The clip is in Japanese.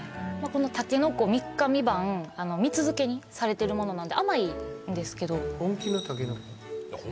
このたけのこ三日三晩蜜漬けにされてるものなんで甘いんですけど本気のたけのこ？